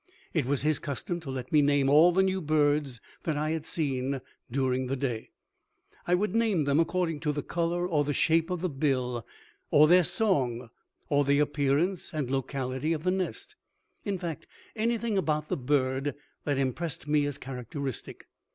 It was his custom to let me name all the new birds that I had seen during the day. I would name them according to the color or the shape of the bill or their song or the appearance and locality of the nest in fact, anything about the bird that impressed me as characteristic.